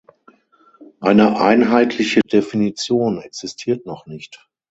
Eine einheitliche Definition existiert noch nicht.